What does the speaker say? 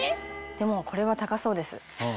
でもこれは高そうです。